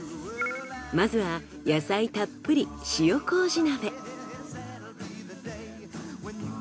まずは野菜たっぷり塩麹鍋。